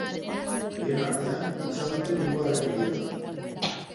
Bien artean izan duten hirugarren bilera da.